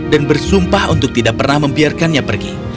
dan bersumpah untuk tidak pernah membiarkannya pergi